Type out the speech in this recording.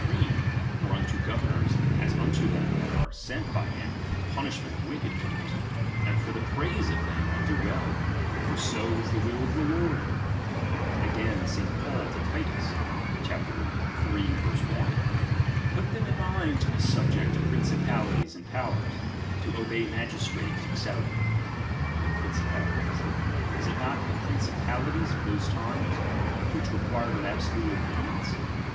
3 preme, or unto governors as unto them that are ^^' sent hy him Jor the punishment of wicked doers, tavetBtfroiat and for the praise of them that do well ; for ^^'"' ^h so is the will of God Again St. Paul to Titus, ^H (chap. iii. 1) : Put thevi in mind to he subject to ^^| principalities and powers, to obey magistrates, ^'c. ^H What priucipalities ? Was it not to the principa ^H lities of those times, which required an absolute ^^| obedieiice